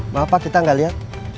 bapak kita gak liat